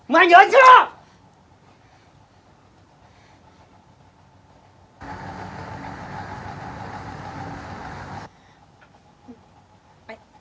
mày nhớ chưa